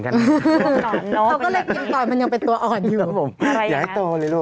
เขาก็เลยกินก่อนมันยังเป็นตัวอ่อนอยู่